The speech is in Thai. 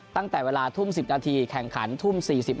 ตั้งแต่เวลาทุ่ม๑๐นาทีแข่งขันทุ่ม๔๕